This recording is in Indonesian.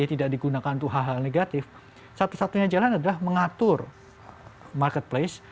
tidak digunakan untuk hal hal negatif satu satunya jalan adalah mengatur marketplace